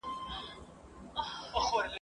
په څپو کي ستا غوټې مي وې لیدلي !.